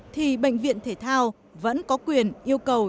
thì bệnh viện thể thao vẫn có quyền yêu cầu